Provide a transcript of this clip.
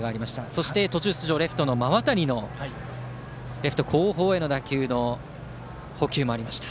そして途中出場、レフトの馬渡のレフト後方への打球の捕球もありました。